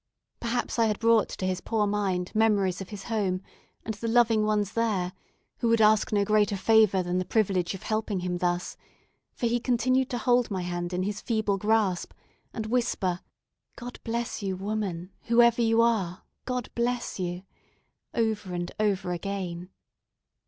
Perhaps I had brought to his poor mind memories of his home, and the loving ones there, who would ask no greater favour than the privilege of helping him thus; for he continued to hold my hand in his feeble grasp, and whisper "God bless you, woman whoever you are, God bless you!" over and over again.